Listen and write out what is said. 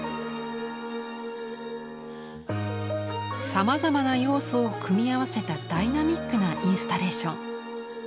さまざまな要素を組み合わせたダイナミックなインスタレーション。